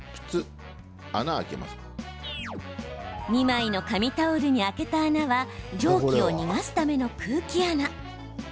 ２枚の紙タオルに開けた穴は蒸気を逃がすための空気穴。